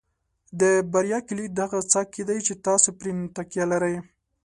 د بریا کلید د هغه څه کې دی چې تاسو پرې تکیه لرئ.